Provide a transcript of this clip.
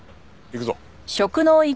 行くぞ。